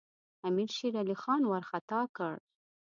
امیر شېرعلي خان وارخطا کړ.